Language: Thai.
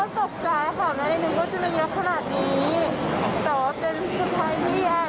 อ๋อก็ตกใจนะครับไม่ได้นึกว่าจะมีเยอะขนาดนี้แต่ว่าเป็นสุดท้ายที่แอดก็ชอบหนอ